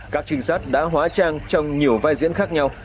các trinh sát đã hóa trang trong nhiều vai diễn khác nhau